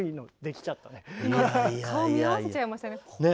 今顔を見合わせちゃいましたね。ね！